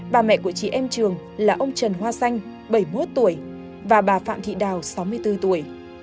bà mẹ của chị em trường là ông trần hoa xanh bảy mươi một tuổi và bà phạm thị đào sáu mươi bốn tuổi